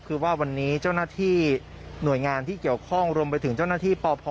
คือว่าวันนี้เจ้าหน้าที่หน่วยงานที่เกี่ยวข้องรวมไปถึงเจ้าหน้าที่ปพ